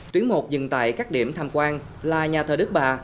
tuyến một dừng tại các điểm tham quan là nhà thờ đức bà